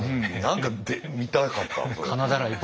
何か見たかったそれ。